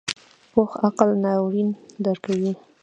پوخ عقل ناورین درکوي